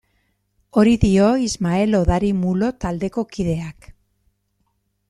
Hori dio Ismael Odari Mulo taldeko kideak.